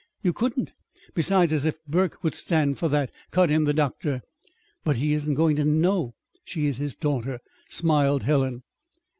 "You couldn't! Besides, as if Burke would stand for that," cut in the doctor. "But he isn't going to know she is his daughter," smiled Helen.